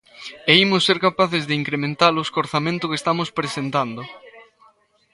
E imos ser capaces de incrementalos co orzamento que estamos presentando.